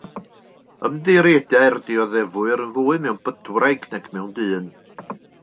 Ymddiriedai'r dioddefwyr yn fwy mewn bydwraig nag mewn dyn.